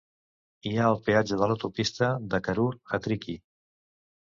Hi ha el peatge de l'autopista de Karur a Tricky.